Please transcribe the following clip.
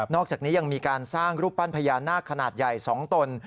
อกจากนี้ยังมีการสร้างรูปปั้นพญานาคขนาดใหญ่๒ตน